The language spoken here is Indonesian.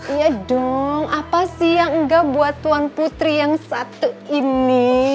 iya dong apa sih yang enggak buat tuan putri yang satu ini